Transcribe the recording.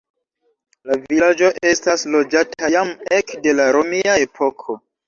La vilaĝo estas loĝata jam ekde la romia epoko.